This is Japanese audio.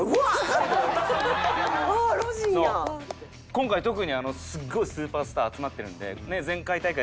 今回特にすごいスーパースター集まってるので前回大会